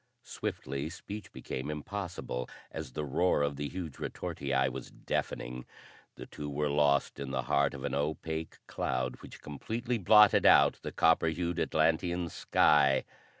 Swiftly speech became impossible, as the roar of the huge retortii was deafening; the two were lost in the heart of an opaque cloud which completely blotted out the copper hued Atlantean sky.